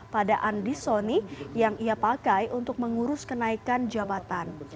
pada andi soni yang ia pakai untuk mengurus kenaikan jabatan